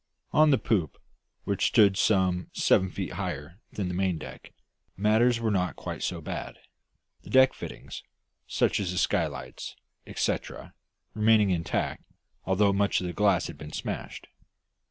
On the poop, which stood some seven feet higher than the maindeck, matters were not quite so bad, the deck fittings, such as the skylights, etcetera, remaining intact, although much of the glass had been smashed.